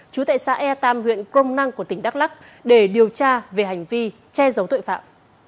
chú tại xã ea tam huyện crong năng của tỉnh đắk lắc để điều tra về hành vi che giấu tội phạm